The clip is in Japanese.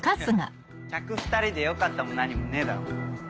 客２人でよかったも何もねえだろ。